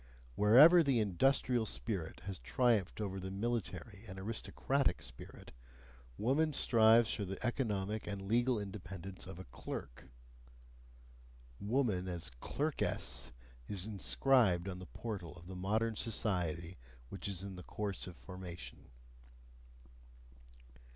Wherever the industrial spirit has triumphed over the military and aristocratic spirit, woman strives for the economic and legal independence of a clerk: "woman as clerkess" is inscribed on the portal of the modern society which is in course of formation.